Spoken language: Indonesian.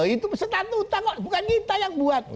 itu setatutang bukan kita yang buat